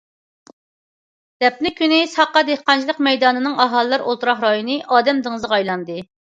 دەپنە كۈنى ساقا دېھقانچىلىق مەيدانىنىڭ ئاھالىلەر ئولتۇراق رايونى ئادەم دېڭىزىغا ئايلانغانىدى.